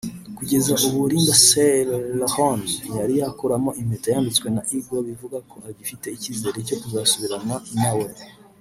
Kugeza ubu Lindsay Lohan ntiyari yakuramo impeta yambitswe na Egor bivuga ko agifite icyizere cyo kuzasubirana nawe